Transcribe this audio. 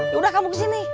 yaudah kamu kesini